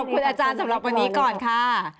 ขอบคุณอาจารย์สำหรับวันนี้ก่อนค่ะ